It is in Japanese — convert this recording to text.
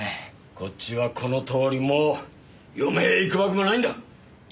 こっちはこのとおりもう余命いくばくもないんだ！